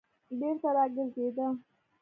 بېرته راگرځېده.